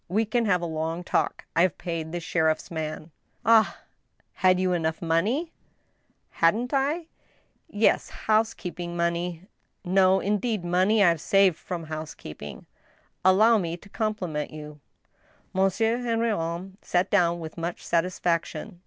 We can have a long talk. ... I have paid the sheriff 's man." " Ah !— had you money enough ?" "Hadn't I?" " Yes — ^housekeeping money." *' No, indeed, money I have saved from housekeeping." " Allow me to compliment you." Monsieur Henrion sat down with much satisfaction.